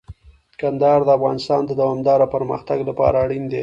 کندهار د افغانستان د دوامداره پرمختګ لپاره اړین دی.